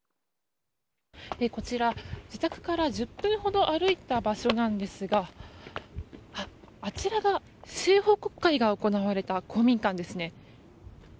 こちら、自宅から１０分ほど歩いた場所なんですがあちらが市政報告会が行われた公民館ですね。